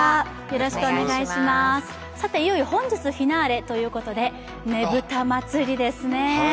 いよいよ本日フィナーレということでねぶた祭ですね。